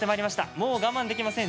もう我慢できません。